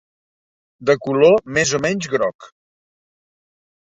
De color més o menys groc.